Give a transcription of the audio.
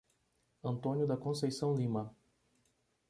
Antônio da Conceição Lima